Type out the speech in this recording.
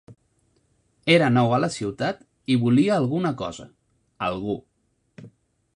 Era nou a la ciutat i volia alguna cosa, algú.